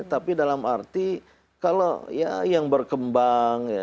tapi dalam arti kalau ya yang berkembang